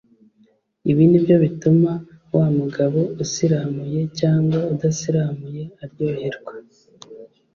Ibi nibyo bituma wa mugabo usiramuye cyangwa udasiramuye aryoherwa